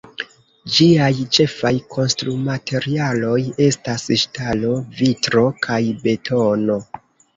Ĝiaj ĉefaj konstrumaterialoj estas ŝtalo, vitro kaj betono.